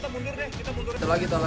mendingan kita mundur deh kita mundur